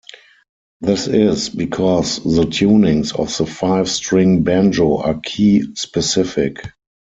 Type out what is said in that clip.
This is because the tunings of the five-string banjo are key-specific.